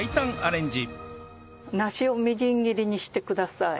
梨をみじん切りにしてください。